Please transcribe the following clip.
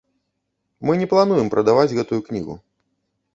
Мы не плануем прадаваць гэтую кнігу.